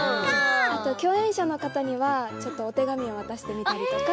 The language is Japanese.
あと共演者の方にはちょっとお手紙を渡してみたりとか。